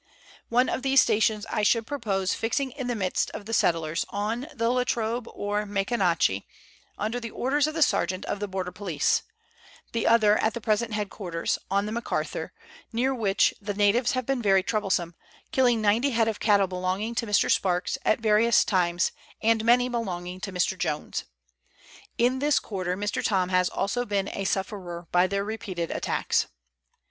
One of these stations I should propose fixing in the midst of the settlers, on the La Trobe or Maconochie, under the orders of the sergeant of the border police ; the other, at the present head quarters, on the Macarthur, near which the natives have been very troublesome, killing 90 head of cattle belonging to Mr. Sparks, at various times, and many belonging to Mr. Jones. In this quarter Mr. Thorn has also been a sufferer by their repeated attacks.